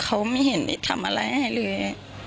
เขาไม่เห็นได้ทำอะไรให้เลย